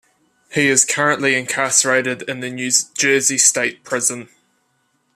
He is currently incarcerated in the New Jersey State Prison.